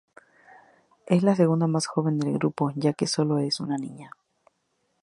Es la segunda más joven del grupo ya que solo es una niña.